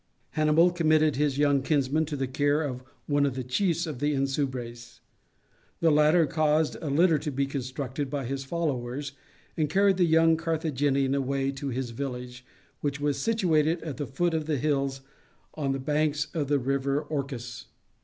Hannibal committed his young kinsman to the care of one of the chiefs of the Insubres. The latter caused a litter to be constructed by his followers, and carried the young Carthaginian away to his village, which was situated at the foot of the hills on the banks of the river Orcus.